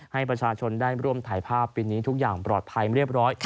ให้ประชาชนได้ร่วมถ่ายภาพปีนี้ทุกอย่างปลอดภัยเรียบร้อย